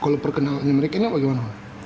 kalau perkenalkannya mereka ini apa gimana